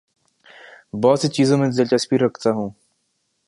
بہت سی چیزوں میں دلچسپی رکھتا ہوں